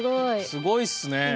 すごいっすね。